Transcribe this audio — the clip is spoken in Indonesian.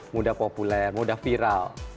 mudah populer mudah viral